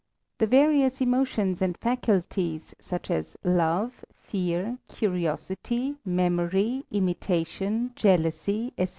The various emotions and faculties, such as love, fear, curiosity, memory, imitation, jealousy, etc.